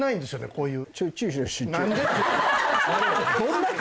こういう。